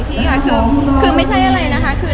คุณแพ้ก็ถือป้ายมาให้ลูกอยู่